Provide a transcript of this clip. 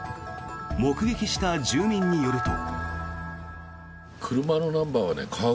目撃した住民によると。